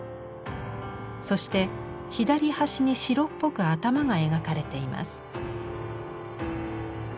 そして左端に白っぽく頭が描かれています。